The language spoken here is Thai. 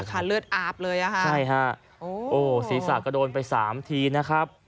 โอ้เนี่ยค่ะเลือดอาบเลยอ่ะค่ะใช่ฮะโอ้ศรีศักดิ์ก็โดนไป๓ทีนะครับ